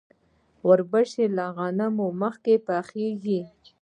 وربشې له غنمو مخکې پخیږي.